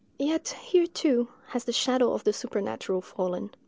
Yet here, too, has the shadow of the supernatural fallen.